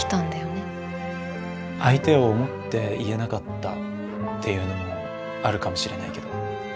相手を思って言えなかったっていうのもあるかもしれないけど。